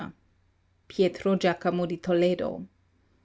(Pietro Giacomo di Toledo).